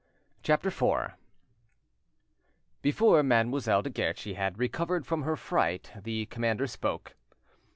CHAPTER IV Before Mademoiselle de Guerchi had recovered from her fright the commander spoke.